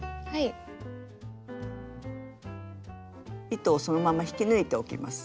糸をそのまま引き抜いておきます。